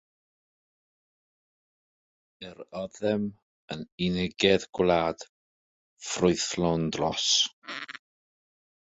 Yr oeddem yn unigedd gwlad ffrwythlon dlos.